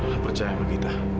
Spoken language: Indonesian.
kau percaya sama kita